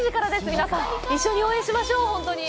皆さん、一緒に応援しましょう、一緒に。